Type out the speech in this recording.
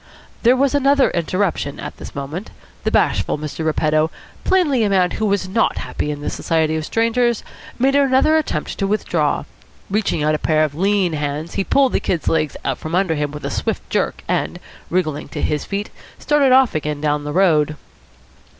There was another interruption at this moment. The bashful Mr. Repetto, plainly a man who was not happy in the society of strangers, made another attempt to withdraw. Reaching out a pair of lean hands, he pulled the Kid's legs from under him with a swift jerk, and, wriggling to his feet, started off again down the road.